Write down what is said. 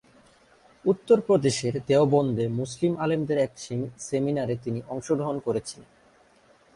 উত্তর প্রদেশের দেওবন্দে মুসলিম আলেমদের এক সেমিনারে তিনি অংশগ্রহণ করেছিলেন।